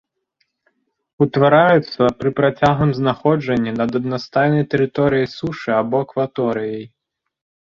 Утвараюцца пры працяглым знаходжанні над аднастайнай тэрыторыяй сушы або акваторыяй.